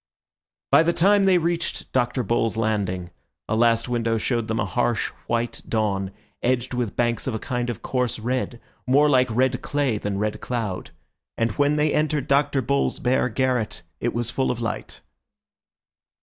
By the time they reached Dr. Bull's landing, a last window showed them a harsh, white dawn edged with banks of a kind of coarse red, more like red clay than red cloud. And when they entered Dr. Bull's bare garret it was full of light.